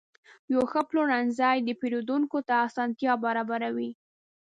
یو ښه پلورنځی پیرودونکو ته اسانتیا برابروي.